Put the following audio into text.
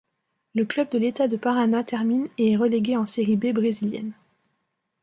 Le club de l'État de Paraná termine et est relégué en Série B brésilienne.